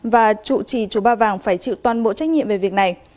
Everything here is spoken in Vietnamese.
và chủ trì chùa ba vàng phải chịu toàn bộ trách nhiệm về việc này